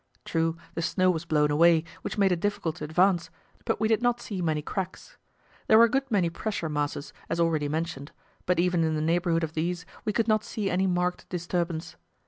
True, the snow was blown away, which made it difficult to advance, but we did not see many cracks. There were a good many pressure masses, as already mentioned, but even in the neighbourhood of these we could not see any marked disturbance.